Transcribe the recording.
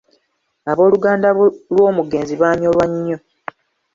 Abooluganda lw'omugenzi baanyolwa nnyo.